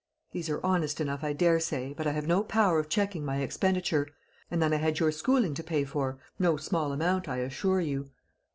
These are honest enough, I daresay, but I have no power of checking my expenditure. And then I had your schooling to pay for no small amount, I assure you."